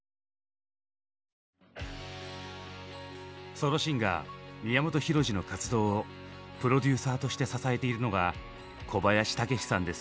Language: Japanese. ソロシンガー宮本浩次の活動をプロデューサーとして支えているのが小林武史さんです。